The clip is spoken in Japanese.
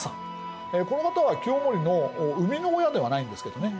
この方は清盛の生みの親ではないんですけどね